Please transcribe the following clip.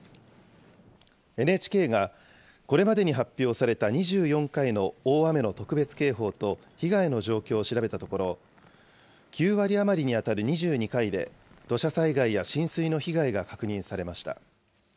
ＮＨＫが、これまでに発表された２４回の大雨の特別警報と被害の状況を調べたところ、９割余りに当たる２２回で、土砂災害や浸水の被害が確認されました。